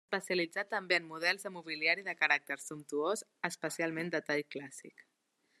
S'especialitzà també en models de mobiliari de caràcter sumptuós, especialment de tall clàssic.